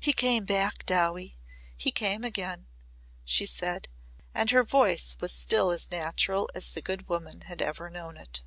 "He came back, Dowie. He came again," she said. And her voice was still as natural as the good woman had ever known it.